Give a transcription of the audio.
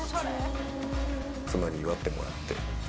妻に祝ってもらって。